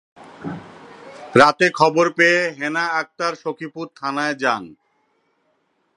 পরে রাতে খবর পেয়ে হেনা আক্তার সখীপুর থানায় যান।